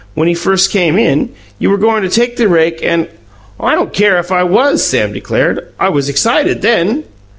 "When he first came in, you were goin' to take the rake and " "I don't care if I was," Sam declared. "I was excited then."